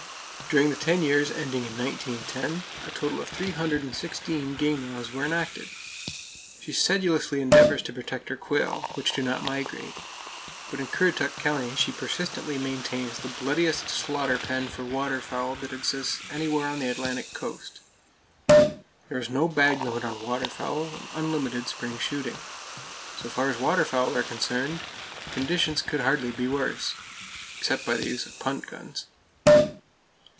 During the ten years ending in 1910, a total of 316 game laws were enacted! She sedulously endeavors to protect her quail, which do not migrate, but in Currituck County she persistently maintains the bloodiest slaughter pen for waterfowl that exists anywhere on the Atlantic Coast. There is no bag limit on waterfowl, and unlimited spring shooting. So far as waterfowl are concerned, conditions could hardly be worse, except by the use of punt guns.